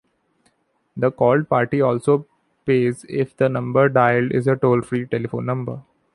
The called party also pays if the number dialed is a toll-free telephone number.